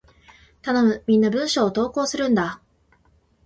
頼む！みんな文章を投稿するんだ！